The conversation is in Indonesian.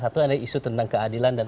satu adalah isu tentang keadilan dan